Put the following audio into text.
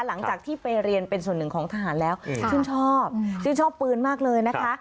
หลังจากที่ไปเรียนเป็นส่วนหนึ่งของทหารแล้วชื่นชอบชื่นชอบปืนมากเลยนะคะ